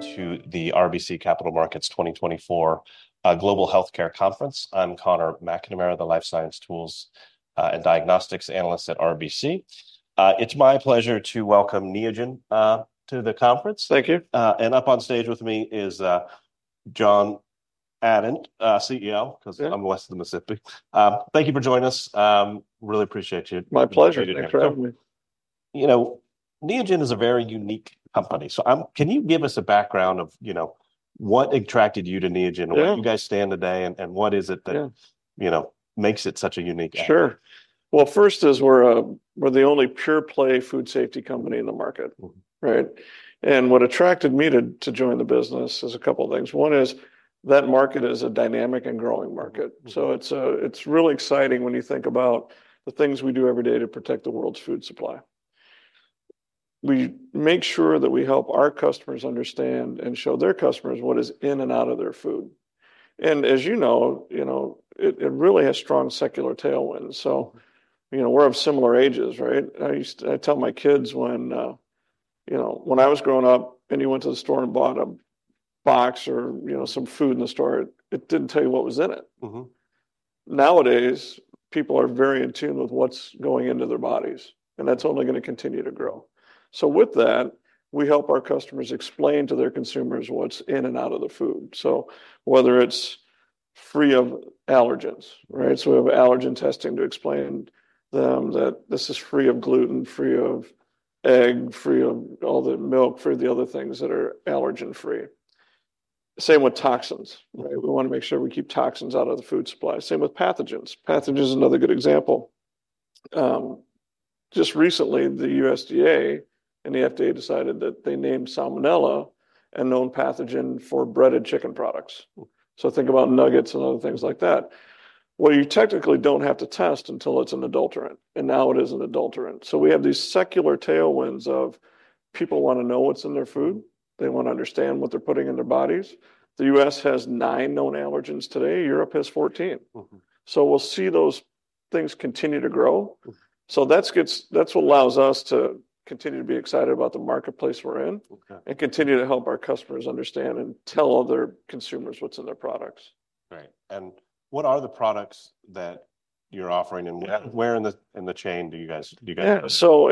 To the RBC Capital Markets 2024 Global Healthcare Conference. I'm Conor McNamara, the Life Science Tools and Diagnostics Analyst at RBC. It's my pleasure to welcome Neogen to the conference. Thank you. Up on stage with me is John Adent, CEO, because I'm West of the Mississippi. Thank you for joining us. Really appreciate you. My pleasure. Thanks for having me. You know, Neogen is a very unique company. So, can you give us a background of, you know, what attracted you to Neogen? Where do you guys stand today? And what is it that, you know, makes it such a unique? Sure. Well, first is we're the only pure-play food safety company in the market, right? What attracted me to join the business is a couple of things. One is that market is a dynamic and growing market. It's really exciting when you think about the things we do every day to protect the world's food supply. We make sure that we help our customers understand and show their customers what is in and out of their food. As you know, you know, it really has strong secular tailwinds. You know, we're of similar ages, right? I used to tell my kids when, you know, when I was growing up and you went to the store and bought a box or, you know, some food in the store, it didn't tell you what was in it. Nowadays, people are very in tune with what's going into their bodies, and that's only going to continue to grow. So with that, we help our customers explain to their consumers what's in and out of the food. So whether it's free of allergens, right? So we have allergen testing to explain to them that this is free of gluten, free of egg, free of all the milk, free of the other things that are allergen-free. Same with toxins, right? We want to make sure we keep toxins out of the food supply. Same with pathogens. Pathogen is another good example. Just recently, the USDA and the FDA decided that they named Salmonella a known pathogen for breaded chicken products. So think about nuggets and other things like that. Well, you technically don't have to test until it's an adulterant, and now it is an adulterant. We have these secular tailwinds of people want to know what's in their food. They want to understand what they're putting in their bodies. The US has nine known allergens today. Europe has 14. We'll see those things continue to grow. That's what allows us to continue to be excited about the marketplace we're in and continue to help our customers understand and tell other consumers what's in their products. Right. And what are the products that you're offering? And where in the chain do you guys, do you guys? Yeah. So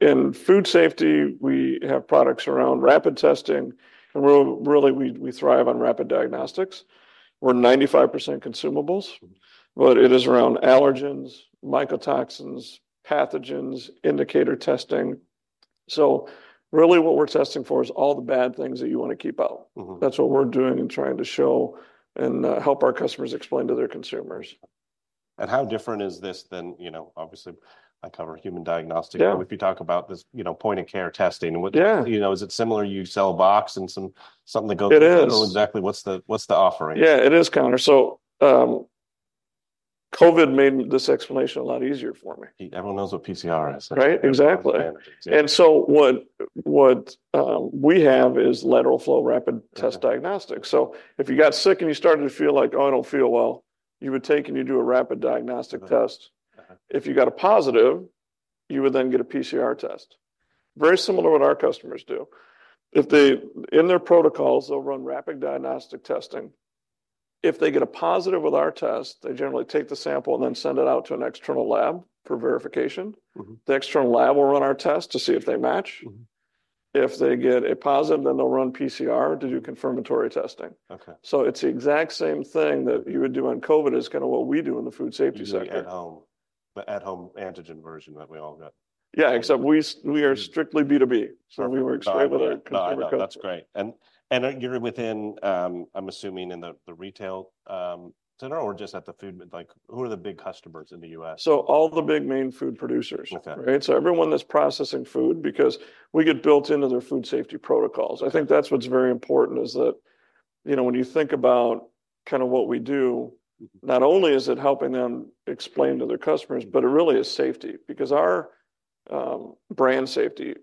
in food safety, we have products around rapid testing. And really, we thrive on rapid diagnostics. We're 95% consumables, but it is around allergens, mycotoxins, pathogens, indicator testing. So really, what we're testing for is all the bad things that you want to keep out. That's what we're doing and trying to show and help our customers explain to their consumers. How different is this than, you know, obviously, I cover human diagnostics. But if you talk about this, you know, point-of-care testing, what, you know, is it similar? You sell a box and some something that goes, I don't know exactly what's the what's the offering. Yeah, it is, Conor. So, COVID made this explanation a lot easier for me. Everyone knows what PCR is. Right? Exactly. And so what we have is lateral flow rapid test diagnostics. So if you got sick and you started to feel like, "Oh, I don't feel well," you would take and you do a rapid diagnostic test. If you got a positive, you would then get a PCR test. Very similar to what our customers do. If they, in their protocols, they'll run rapid diagnostic testing. If they get a positive with our test, they generally take the sample and then send it out to an external lab for verification. The external lab will run our test to see if they match. If they get a positive, then they'll run PCR to do confirmatory testing. So it's the exact same thing that you would do on COVID is kind of what we do in the food safety sector. But at home, the at-home antigen version that we all got. Yeah, except we are strictly B2B. So we work straight with our consumer customers. That's great. And you're within, I'm assuming, in the retail center or just at the food—like, who are the big customers in the US? So all the big main food producers, right? So everyone that's processing food, because we get built into their food safety protocols. I think that's what's very important, is that, you know, when you think about kind of what we do, not only is it helping them explain to their customers, but it really is safety, because our brand safety,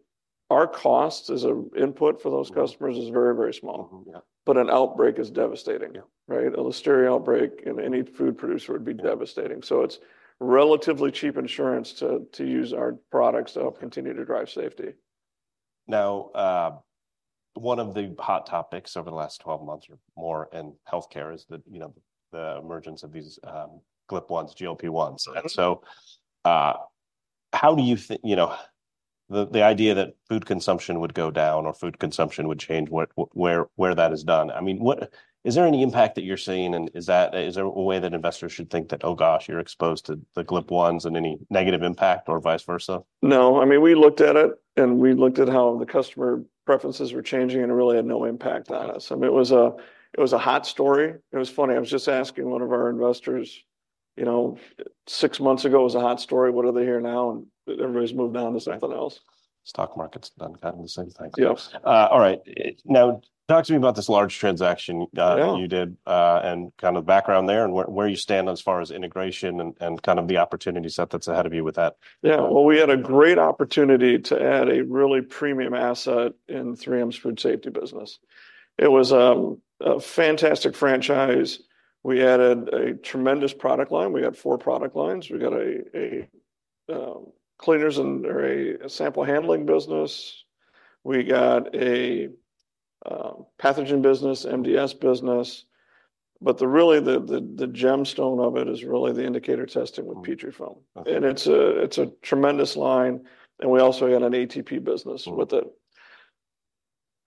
our cost as an input for those customers is very, very small. But an outbreak is devastating, right? A Listeria outbreak in any food producer would be devastating. So it's relatively cheap insurance to use our products to help continue to drive safety. Now, one of the hot topics over the last 12 months or more in healthcare is the, you know, the emergence of these GLP-1s, GLP-1s. And so, how do you think, you know, the idea that food consumption would go down or food consumption would change where that is done? I mean, what is there any impact that you're seeing? And is that, is there a way that investors should think that, "Oh gosh, you're exposed to the GLP-1s and any negative impact or vice versa"? No. I mean, we looked at it and we looked at how the customer preferences were changing and it really had no impact on us. I mean, it was a hot story. It was funny. I was just asking one of our investors, you know, six months ago it was a hot story. What are they hearing now? And everybody's moved on to something else. Stock market's done kind of the same thing. All right. Now, talk to me about this large transaction you did and kind of the background there and where you stand as far as integration and kind of the opportunity set that's ahead of you with that. Yeah. Well, we had a great opportunity to add a really premium asset in 3M's food safety business. It was a fantastic franchise. We added a tremendous product line. We got four product lines. We got a cleaners and a sample handling business. We got a pathogen business, MDS business. But really, the gemstone of it is really the indicator testing with Petrifilm. And it's a tremendous line. And we also had an ATP business with it.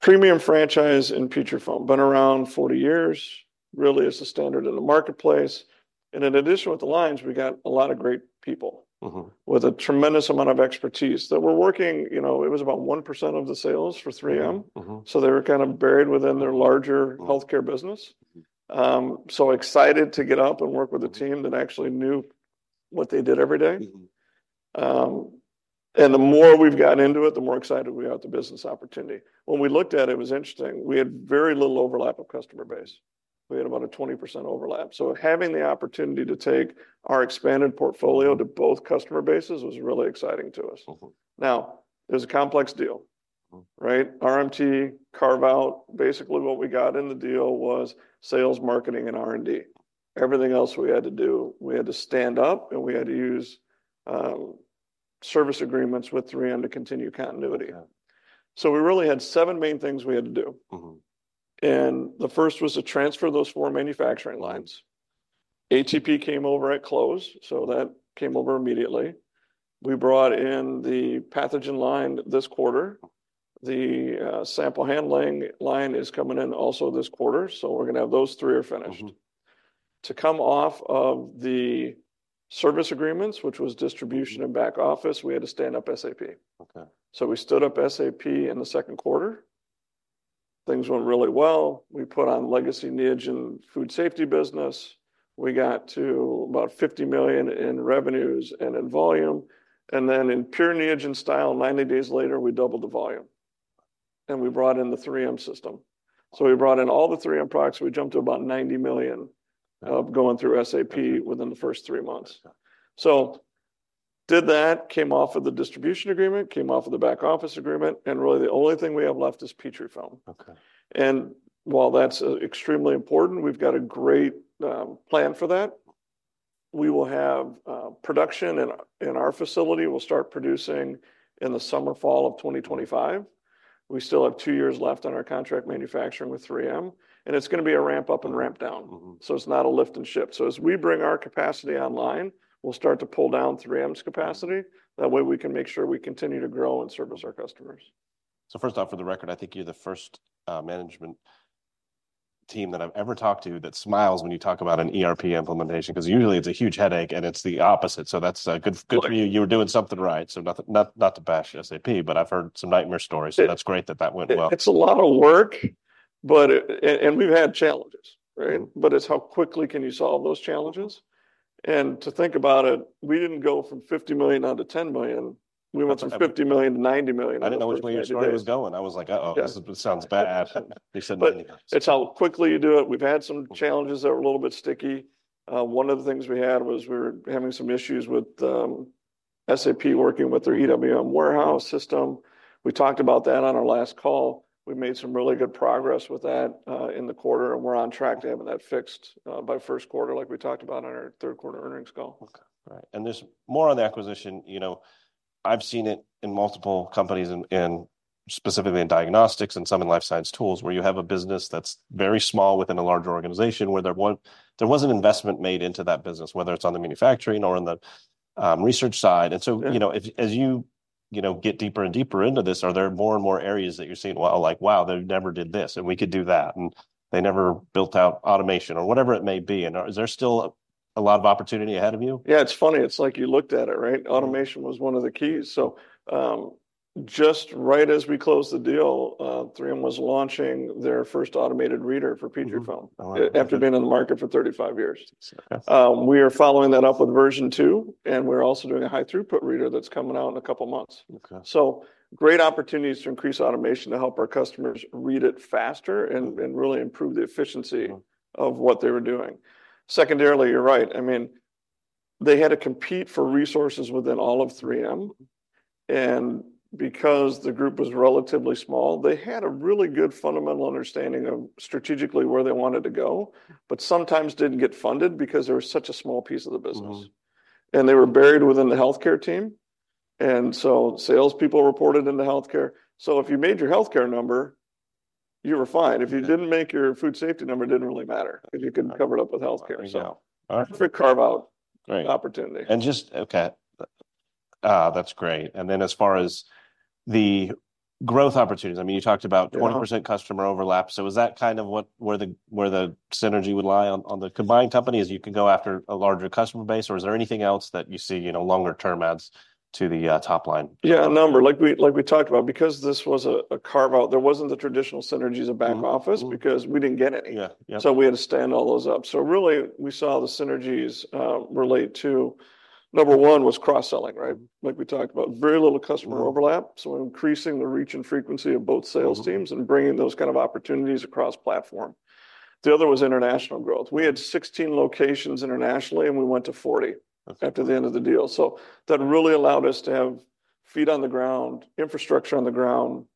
Premium franchise in Petrifilm, been around 40 years, really is the standard in the marketplace. And in addition with the lines, we got a lot of great people with a tremendous amount of expertise that were working, you know, it was about 1% of the sales for 3M. So they were kind of buried within their larger healthcare business. So excited to get up and work with a team that actually knew what they did every day. The more we've gotten into it, the more excited we are at the business opportunity. When we looked at it, it was interesting. We had very little overlap of customer base. We had about a 20% overlap. So having the opportunity to take our expanded portfolio to both customer bases was really exciting to us. Now, it was a complex deal, right? RMT, carve out. Basically, what we got in the deal was sales, marketing, and R&D. Everything else we had to do, we had to stand up and we had to use service agreements with 3M to continue continuity. So we really had seven main things we had to do. The first was to transfer those four manufacturing lines. ATP came over at close. So that came over immediately. We brought in the pathogen line this quarter. The sample handling line is coming in also this quarter. So we're going to have those three are finished. To come off of the service agreements, which was distribution and back office, we had to stand up SAP. So we stood up SAP in the second quarter. Things went really well. We put on legacy Neogen food safety business. We got to about $50 million in revenues and in volume. And then in pure Neogen style, 90 days later, we doubled the volume. And we brought in the 3M system. So we brought in all the 3M products. We jumped to about $90 million of going through SAP within the first three months. So did that, came off of the distribution agreement, came off of the back office agreement. And really, the only thing we have left is Petrifilm. While that's extremely important, we've got a great plan for that. We will have production in our facility. We'll start producing in the summer-fall of 2025. We still have two years left on our contract manufacturing with 3M. And it's going to be a ramp-up and ramp-down. So it's not a lift and ship. So as we bring our capacity online, we'll start to pull down 3M's capacity. That way, we can make sure we continue to grow and service our customers. So first off, for the record, I think you're the first management team that I've ever talked to that smiles when you talk about an ERP implementation, because usually it's a huge headache and it's the opposite. So that's good for you. You were doing something right. So not to bash SAP, but I've heard some nightmare stories. So that's great that that went well. It's a lot of work. But we've had challenges, right? But it's how quickly can you solve those challenges? And to think about it, we didn't go from $50 million down to $10 million. We went from $50 million to $90 million. I didn't know which way your story was going. I was like, "Uh-oh, this sounds bad. It's how quickly you do it. We've had some challenges that were a little bit sticky. One of the things we had was we were having some issues with SAP working with their EWM warehouse system. We talked about that on our last call. We made some really good progress with that in the quarter, and we're on track to having that fixed by first quarter, like we talked about on our Q3 earnings call. Okay. All right. And there's more on the acquisition. You know, I've seen it in multiple companies, specifically in diagnostics and some in life science tools, where you have a business that's very small within a larger organization where there wasn't investment made into that business, whether it's on the manufacturing or on the research side. And so, you know, as you, you know, get deeper and deeper into this, are there more and more areas that you're seeing, "Well, like, wow, they never did this and we could do that." And they never built out automation or whatever it may be. And is there still a lot of opportunity ahead of you? Yeah, it's funny. It's like you looked at it, right? Automation was one of the keys. So just right as we closed the deal, 3M was launching their first automated reader for Petrifilm after being in the market for 35 years. We are following that up with version two, and we're also doing a high throughput reader that's coming out in a couple of months. So great opportunities to increase automation to help our customers read it faster and really improve the efficiency of what they were doing. Secondarily, you're right. I mean, they had to compete for resources within all of 3M. And because the group was relatively small, they had a really good fundamental understanding of strategically where they wanted to go, but sometimes didn't get funded because they were such a small piece of the business. And they were buried within the healthcare team. So salespeople reported into healthcare. So if you made your healthcare number, you were fine. If you didn't make your food safety number, it didn't really matter because you could cover it up with healthcare. So perfect carve-out opportunity. And just, okay, that's great. And then as far as the growth opportunities, I mean, you talked about 20% customer overlap. So was that kind of where the synergy would lie on the combined company, as you can go after a larger customer base? Or is there anything else that you see, you know, longer-term adds to the top line? Yeah, a number. Like we talked about, because this was a carve-out, there wasn't the traditional synergies of back office because we didn't get any. So we had to stand all those up. So really, we saw the synergies relate to, number one was cross-selling, right? Like we talked about, very little customer overlap. So increasing the reach and frequency of both sales teams and bringing those kind of opportunities across platform. The other was international growth. We had 16 locations internationally, and we went to 40 after the end of the deal. So that really allowed us to have feet on the ground, infrastructure on the ground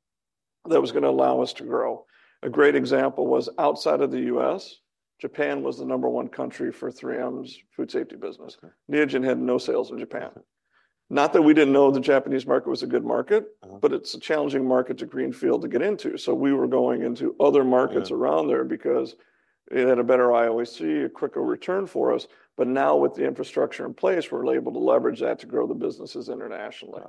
that was going to allow us to grow. A great example was outside of the US, Japan was the number one country for 3M's food safety business. Neogen had no sales in Japan. Not that we didn't know the Japanese market was a good market, but it's a challenging market to greenfield to get into. So we were going into other markets around there because it had a better ROIC, a quicker return for us. But now with the infrastructure in place, we're able to leverage that to grow the businesses internationally.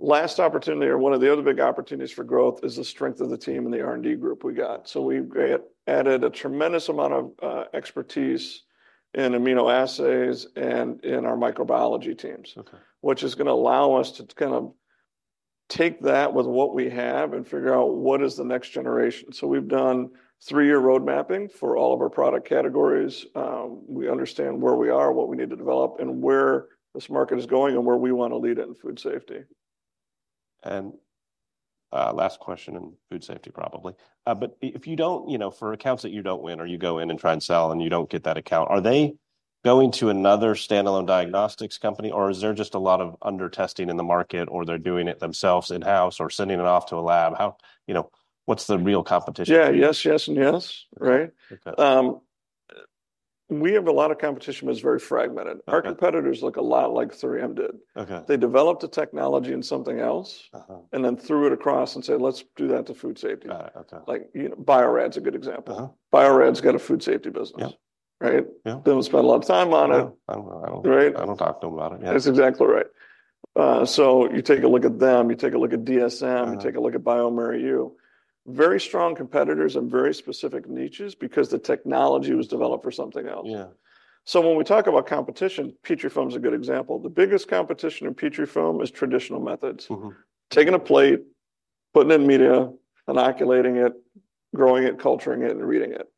Last opportunity, or one of the other big opportunities for growth, is the strength of the team and the R&D group we got. So we added a tremendous amount of expertise in immunoassays and in our microbiology teams, which is going to allow us to kind of take that with what we have and figure out what is the next generation. So we've done three-year roadmapping for all of our product categories. We understand where we are, what we need to develop, and where this market is going and where we want to lead it in food safety. Last question in food safety, probably. But if you don't, you know, for accounts that you don't win or you go in and try and sell and you don't get that account, are they going to another standalone diagnostics company? Or is there just a lot of under-testing in the market, or they're doing it themselves in-house or sending it off to a lab? You know, what's the real competition? Yeah, yes, yes, and yes, right? We have a lot of competition, but it's very fragmented. Our competitors look a lot like 3M did. They developed a technology in something else and then threw it across and said, "Let's do that to food safety." Like, you know, Bio-Rad's a good example. Bio-Rad's got a food safety business, right? They don't spend a lot of time on it. I don't talk to them about it. That's exactly right. So you take a look at them, you take a look at DSM, you take a look at bioMérieux. Very strong competitors and very specific niches because the technology was developed for something else. Yeah, so when we talk about competition, Petrifilm's a good example. The biggest competition in Petrifilm is traditional methods. Taking a plate, putting in media, inoculating it, growing it, culturing it, and reading it.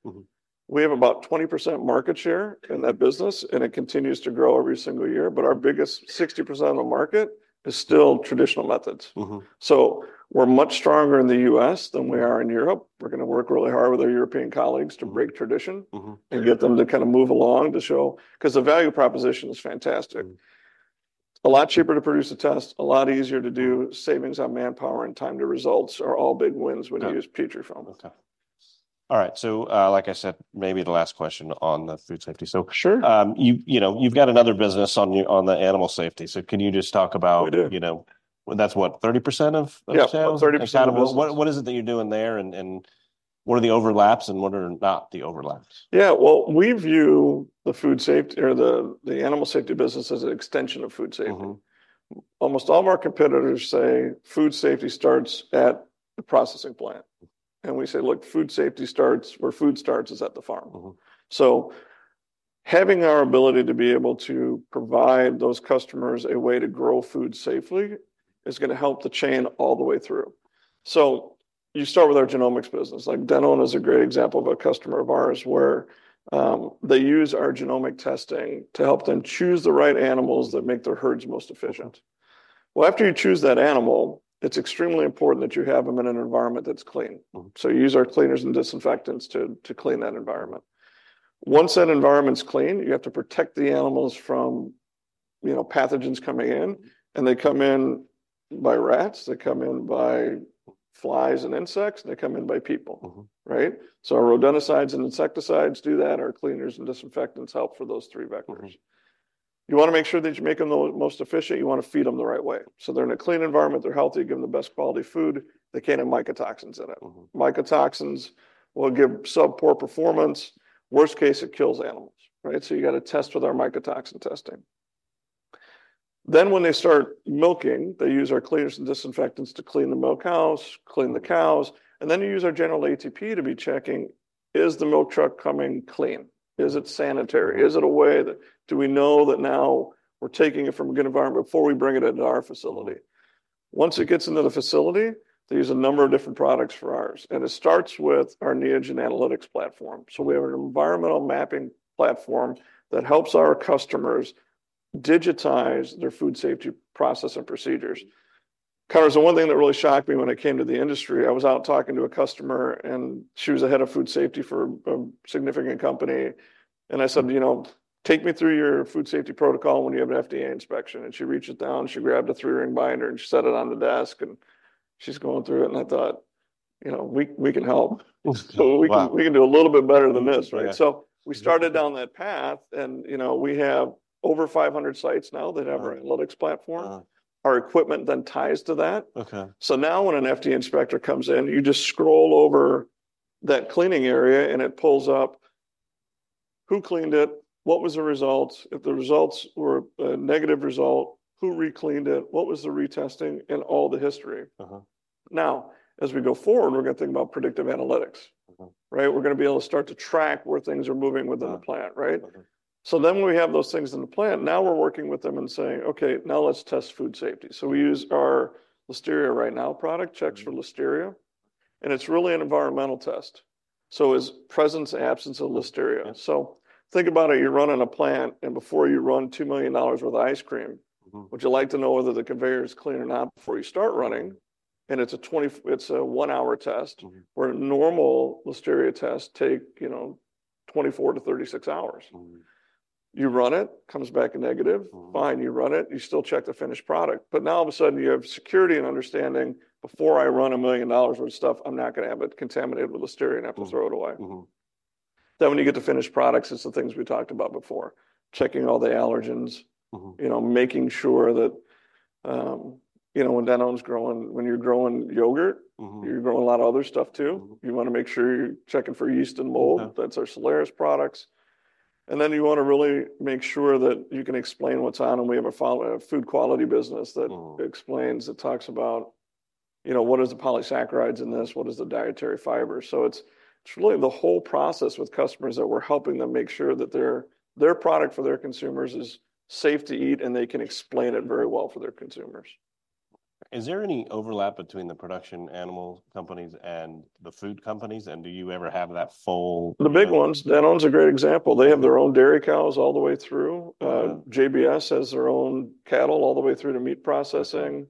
We have about 20% market share in that business, and it continues to grow every single year. But our biggest 60% of the market is still traditional methods. So we're much stronger in the US than we are in Europe. We're going to work really hard with our European colleagues to break tradition and get them to kind of move along to show, because the value proposition is fantastic. A lot cheaper to produce a test, a lot easier to do. Savings on manpower and time to results are all big wins when you use Petrifilm. All right. So like I said, maybe the last question on the food safety. So you've got another business on the animal safety. So can you just talk about, you know, that's what, 30% of sales? What is it that you're doing there? And what are the overlaps and what are not the overlaps? Yeah, well, we view the food safety or the animal safety business as an extension of food safety. Almost all of our competitors say food safety starts at the processing plant. And we say, "Look, food safety starts where food starts is at the farm." So having our ability to be able to provide those customers a way to grow food safely is going to help the chain all the way through. So you start with our genomics business. Like Danone is a great example of a customer of ours where they use our genomic testing to help them choose the right animals that make their herds most efficient. Well, after you choose that animal, it's extremely important that you have them in an environment that's clean. So you use our cleaners and disinfectants to clean that environment. Once that environment's clean, you have to protect the animals from, you know, pathogens coming in. They come in by rats. They come in by flies and insects. They come in by people, right? Our rodenticides and insecticides do that. Our cleaners and disinfectants help for those three vectors. You want to make sure that you make them the most efficient. You want to feed them the right way. They're in a clean environment. They're healthy. Give them the best quality food. They can't have mycotoxins in it. Mycotoxins will give subpar performance. Worst case, it kills animals, right? You got to test with our mycotoxin testing. When they start milking, they use our cleaners and disinfectants to clean the milkhouse, clean the cows. You use our general ATP to be checking, is the milk truck coming clean? Is it sanitary? Is it a way that do we know that now we're taking it from a good environment before we bring it into our facility? Once it gets into the facility, they use a number of different products for ours. And it starts with our Neogen Analytics platform. So we have an environmental mapping platform that helps our customers digitize their food safety process and procedures. Conor, there's one thing that really shocked me when it came to the industry, I was out talking to a customer, and she was the head of food safety for a significant company. And I said, you know, take me through your food safety protocol when you have an FDA inspection. And she reaches down. She grabbed a three-ring binder, and she set it on the desk. And she's going through it. And I thought, you know, we can help. So we can do a little bit better than this, right? So we started down that path. And you know, we have over 500 sites now that have our analytics platform. Our equipment then ties to that. So now when an FDA inspector comes in, you just scroll over that cleaning area, and it pulls up who cleaned it, what was the result. If the results were a negative result, who recleaned it, what was the retesting, and all the history. Now, as we go forward, we're going to think about predictive analytics, right? We're going to be able to start to track where things are moving within the plant, right? So then when we have those things in the plant, now we're working with them and saying, "Okay, now let's test food safety." So we use our Listeria Right Now product, checks for Listeria. It's really an environmental test. So is presence, absence of Listeria? So think about it. You're running a plant, and before you run $2 million worth of ice cream, would you like to know whether the conveyor is clean or not before you start running? And it's a one-hour test where a normal Listeria test takes, you know, 24 to 36 hours. You run it, comes back negative. Fine. You run it. You still check the finished product. But now all of a sudden, you have security and understanding, before I run $1 million worth of stuff, I'm not going to have it contaminated with Listeria and have to throw it away. Then when you get to finished products, it's the things we talked about before, checking all the allergens, you know, making sure that, you know, when Danone's growing, when you're growing yogurt, you're growing a lot of other stuff too. You want to make sure you're checking for yeast and mold. That's our Soleris products. And then you want to really make sure that you can explain what's on. And we have a food quality business that explains, that talks about, you know, what are the polysaccharides in this? What is the dietary fiber? So it's really the whole process with customers that we're helping them make sure that their product for their consumers is safe to eat, and they can explain it very well for their consumers. Is there any overlap between the production animal companies and the food companies? And do you ever have that full? The big ones, Danone's a great example. They have their own dairy cows all the way through. JBS has their own cattle all the way through to meat processing.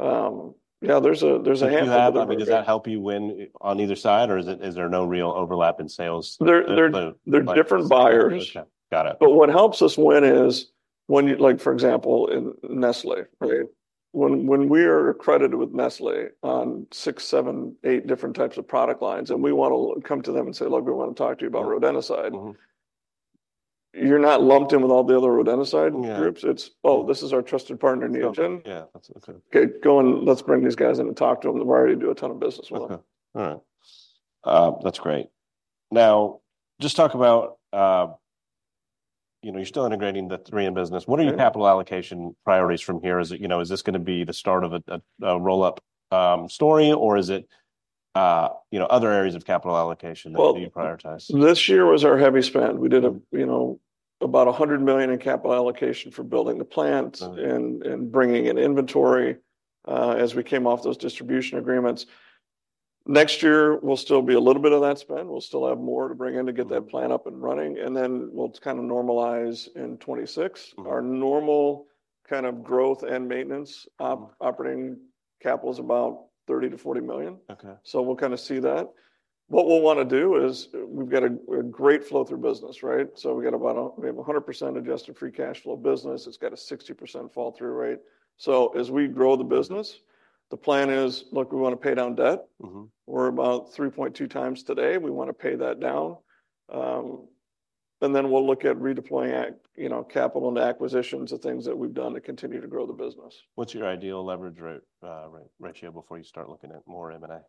Yeah, there's a handful of them. Does that help you win on either side? Or is there no real overlap in sales? They're different buyers. But what helps us win is when, like, for example, Nestlé, right? When we are accredited with Nestlé on six, seven, eight different types of product lines, and we want to come to them and say, "Look, we want to talk to you about rodenticide," you're not lumped in with all the other rodenticide groups. It's, "Oh, this is our trusted partner, Neogen." Okay, go and let's bring these guys in and talk to them. They've already do a ton of business with them. All right. That's great. Now, just talk about, you know, you're still integrating the 3M business. What are your capital allocation priorities from here? Is it, you know, is this going to be the start of a roll-up story? Or is it, you know, other areas of capital allocation that you prioritize? This year was our heavy spend. We did a, you know, about $100 million in capital allocation for building the plant and bringing in inventory as we came off those distribution agreements. Next year, we'll still be a little bit of that spend. We'll still have more to bring in to get that plant up and running. And then we'll kind of normalize in 2026. Our normal kind of growth and maintenance operating capital is about $30 to $40 million. So we'll kind of see that. What we'll want to do is we've got a great flow-through business, right? So we've got about a 100% adjusted free cash flow business. It's got a 60% fall-through rate. So as we grow the business, the plan is, look, we want to pay down debt. We're about 3.2x today. We want to pay that down. And then we'll look at redeploying, you know, capital into acquisitions of things that we've done to continue to grow the business. What's your ideal leverage ratio before you start looking at more M&A?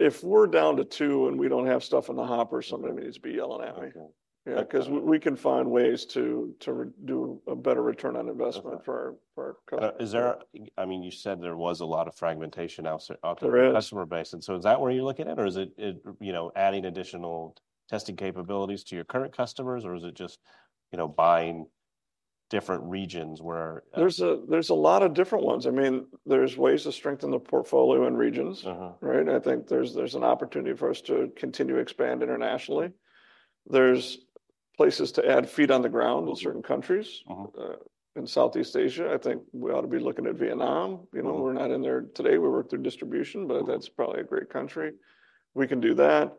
If we're down to two and we don't have stuff in the hopper, somebody needs to be yelling at me. Yeah, because we can find ways to do a better return on investment for our customers. Is there, I mean, you said there was a lot of fragmentation out to the customer base. And so is that where you're looking at? Or is it, you know, adding additional testing capabilities to your current customers? Or is it just, you know, buying different regions where? There's a lot of different ones. I mean, there's ways to strengthen the portfolio in regions, right? I think there's an opportunity for us to continue to expand internationally. There's places to add feet on the ground with certain countries in Southeast Asia. I think we ought to be looking at Vietnam. You know, we're not in there today. We work through distribution, but that's probably a great country. We can do that.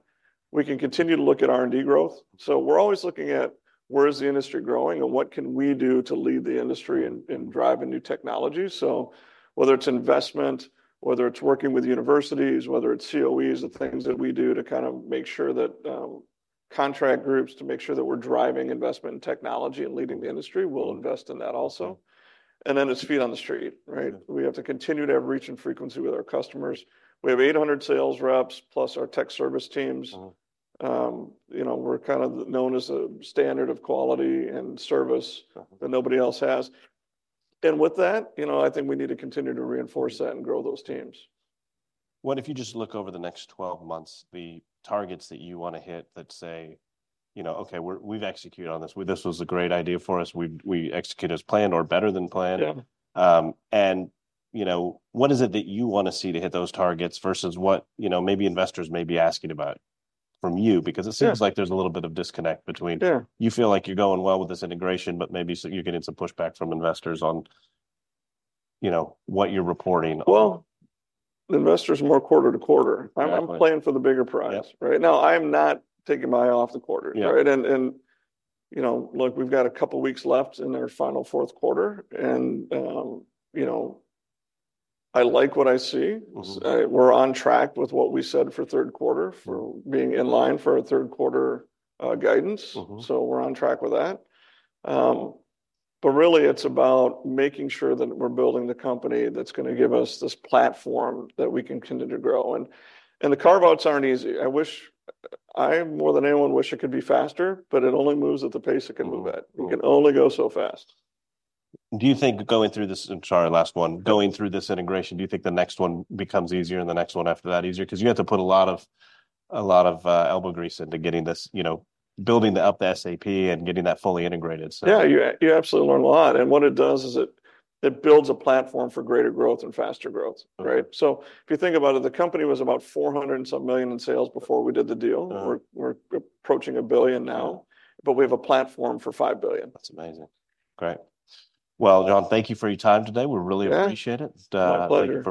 We can continue to look at R&D growth. So we're always looking at where is the industry growing? And what can we do to lead the industry in driving new technology? So whether it's investment, whether it's working with universities, whether it's COEs, the things that we do to kind of make sure that contract groups to make sure that we're driving investment in technology and leading the industry, we'll invest in that also. And then it's feet on the street, right? We have to continue to have reach and frequency with our customers. We have 800 sales reps plus our tech service teams. You know, we're kind of known as a standard of quality and service that nobody else has. And with that, you know, I think we need to continue to reinforce that and grow those teams. What if you just look over the next 12 months? The targets that you want to hit that say, you know, "Okay, we've executed on this. This was a great idea for us. We executed as planned or better than planned." And, you know, what is it that you want to see to hit those targets versus what, you know, maybe investors may be asking about from you? Because it seems like there's a little bit of disconnect between you feel like you're going well with this integration, but maybe you're getting some pushback from investors on, you know, what you're reporting. Well, investors are more quarter-to-quarter. I'm playing for the bigger prize, right? Now, I am not taking my eye off the quarter, right? And, you know, look, we've got a couple of weeks left in our final Q4. And, you know, I like what I see. We're on track with what we said for Q3 for being in line for our Q3 guidance. So we're on track with that. But really, it's about making sure that we're building the company that's going to give us this platform that we can continue to grow. And the carve-outs aren't easy. I wish, I more than anyone wish it could be faster, but it only moves at the pace it can move at. It can only go so fast. Do you think going through this, I'm sorry, last one, going through this integration, do you think the next one becomes easier and the next one after that easier? Because you have to put a lot of elbow grease into getting this, you know, building up the SAP and getting that fully integrated. Yeah, you absolutely learn a lot. What it does is it builds a platform for greater growth and faster growth, right? If you think about it, the company was about $400 and some million in sales before we did the deal. We're approaching $1 billion now. We have a platform for $5 billion. That's amazing. Great. Well, John, thank you for your time today. We really appreciate it. Thank you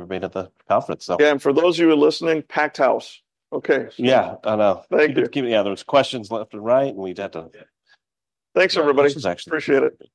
for being at the conference. Yeah, and for those of you who are listening, packed house. Okay. Yeah, I know. Thank you. Yeah, there were questions left and right, and we had to. Thanks, everybody. Appreciate it.